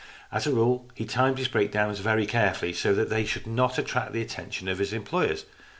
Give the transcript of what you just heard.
As a rule he timed his breakdowns very carefully, so that they should not attract the attention of his employers.